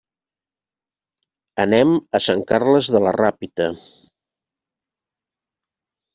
Anem a Sant Carles de la Ràpita.